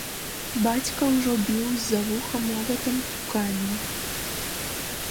Бацька ўжо біў з-за вуха молатам у камень.